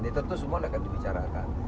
itu semua akan dibicarakan